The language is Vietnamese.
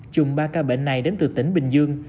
chùm ba ca bệnh này đến từ tỉnh bình dương